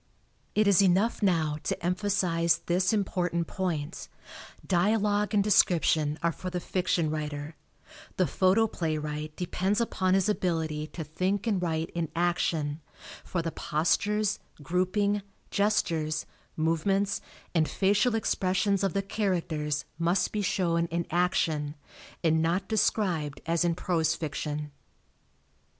It is enough now to emphasize this important point: Dialogue and description are for the fiction writer; the photoplaywright depends upon his ability to think and write in action, for the postures, grouping, gestures, movements and facial expressions of the characters must be shown in action, and not described as in prose fiction.